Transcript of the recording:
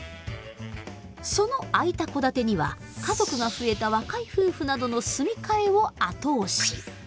その空いた戸建てには家族が増えた若い夫婦などの住み替えを後押し。